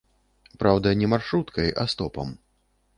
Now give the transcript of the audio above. Праўда, не маршруткай, а стопам.